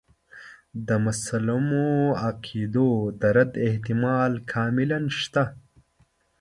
د مسلمو عقایدو د رد احتمال کاملاً شته.